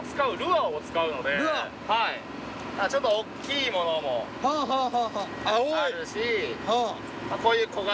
ちょっと大きいものもあるしこういう小型のもの。